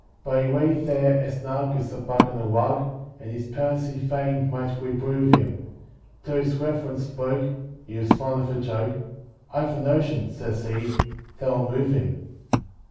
But he lay there as snug as a bug in a rug, And his parents in vain might reprove him, Till his reverence spoke (he was fond of a joke) "I've a notion," says he, "that'll move him."